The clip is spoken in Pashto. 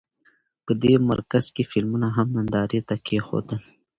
په دې مرکز کې فلمونه هم نندارې ته کېښودل.